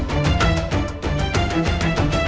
tapi allen kamu salah